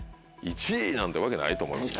１位なんてわけないと思います。